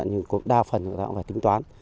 nhưng đa phần người ta cũng phải tính toán